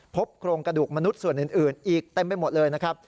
พบโครงกระดูกมนุษย์ส่วนอื่นอีกเต็มไปหมดเลยนะครับ